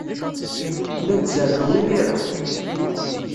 La nzerrew imir-a.